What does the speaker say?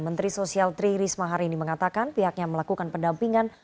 menteri sosial tri risma hari ini mengatakan pihaknya melakukan pendampingan